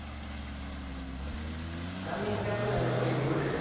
難民キャンプ内のクリニックです。